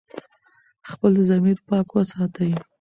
خپل ضمیر پاک وساتئ.